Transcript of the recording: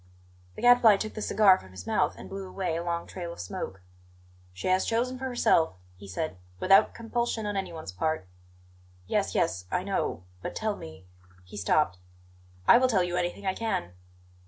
The Gadfly took the cigar from his mouth and blew away a long trail of smoke. "She has chosen for herself," he said, "without compulsion on anyone's part." "Yes, yes I know. But tell me " He stopped. "I will tell you anything I can."